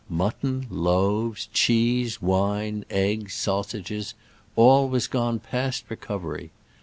Mutton, loaves, cheese, wine, eggs, sausages — all was gone past recovery.